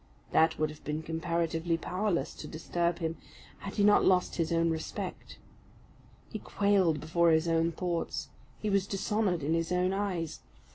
That would have been comparatively powerless to disturb him, had he not lost his own respect. He quailed before his own thoughts; he was dishonoured in his own eyes.